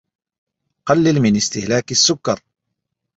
قلل من استهلاك السكر